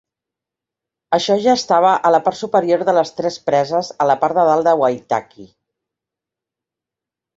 Això ja estava a la part superior de les tres preses a la part de dalt de Waitaki.